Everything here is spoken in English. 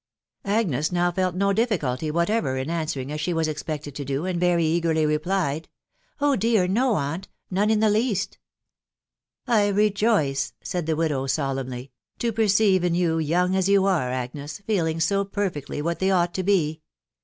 " Agnes now felt no difficulty whatever in answering as she was expected to do, and very eagerly replied, " Oh ! dear no, aunt .... none in the least" " I rejoice," said the widow, solemnly, " to perceive in you, young as you are, Agnes, feelings so perfectly what they ought to be